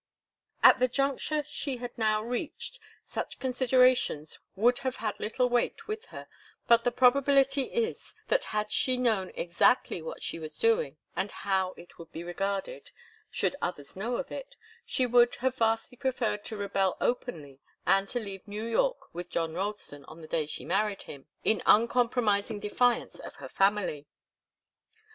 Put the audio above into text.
At the juncture she had now reached, such considerations would have had little weight with her, but the probability is that, had she known exactly what she was doing, and how it would be regarded should others know of it, she would have vastly preferred to rebel openly and to leave New York with John Ralston on the day she married him, in uncompromising defiance of her family.